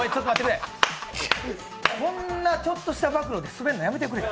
こんなちょっとした暴露でスベるのやめてくれ。